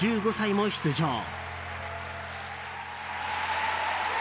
１５歳も出場。